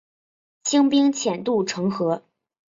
清兵潜渡城河。